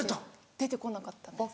出て来なかったです。